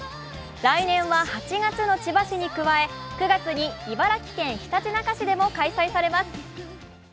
来年は８月の千葉市に加え９月に茨城県ひたちなか市でも開催されます。